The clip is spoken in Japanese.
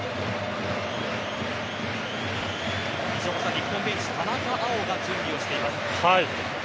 日本ベンチ田中碧が準備をしています。